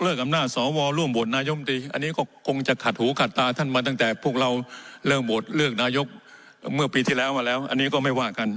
เริ่มโบสถ์เลือกนายกเมื่อปีที่แล้วมาแล้วอันนี้ก็ไม่ว่ากัน